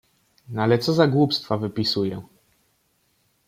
"Ale co za głupstwa wypisuję!"